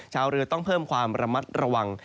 ชาวเรือต้องเพิ่มความระมัดระวัง